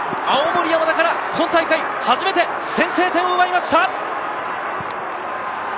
青森山田から今大会、初めて先制点を奪いました！